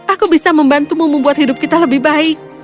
aku bisa membantumu membuat hidup kita lebih baik